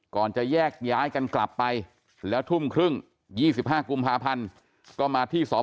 ก่อนจะแยกย้ายกันกลับไปแล้วทุ่มครึ่ง๒๕กุมภาพันธ์ก็มาที่สพ